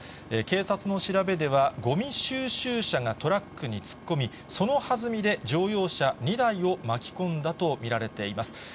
警察の調べでは、ごみ収集車がトラックに突っ込み、そのはずみで乗用車２台を巻き込んだと見られています。